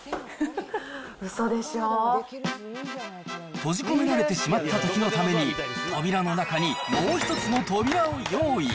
閉じ込められてしまったときのために、扉の中にもう一つの扉を用意。